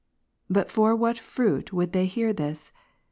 But for what fruit would they hear this?